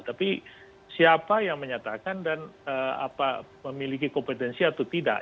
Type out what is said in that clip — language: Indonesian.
tapi siapa yang menyatakan dan memiliki kompetensi atau tidak